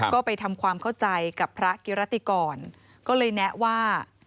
ก็ไปทำความเข้าใจกับพระกิรติกรก็เลยแนะว่า